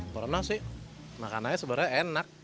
corona sih makanannya sebenarnya enak